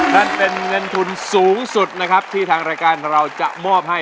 นั่นเป็นเงินทุนสูงสุดนะครับที่ทางรายการเราจะมอบให้